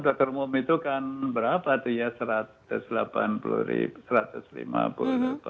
dokter umum itu kan berapa tuh ya satu ratus delapan puluh ribu satu ratus lima puluh ribu